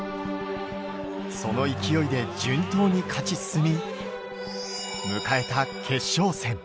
その勢いで順当に勝ち進み、迎えた決勝戦。